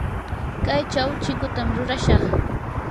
kaychaw chikutam rurashaq.